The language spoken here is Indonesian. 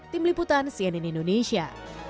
tim liputan cnn indonesia